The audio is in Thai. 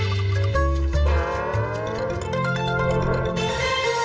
สวัสดีครับ